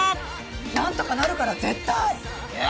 なんとかなるから絶対よ